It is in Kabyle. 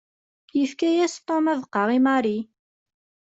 Yefka-yas Tom abeqqa i Mary.